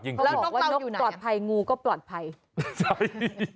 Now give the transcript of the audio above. เกิดน้กเต้าก็อยู่เนี่ย